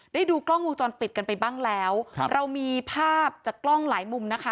ได้ดูกล้องวงจรปิดกันไปบ้างแล้วครับเรามีภาพจากกล้องหลายมุมนะคะ